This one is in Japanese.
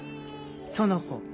その子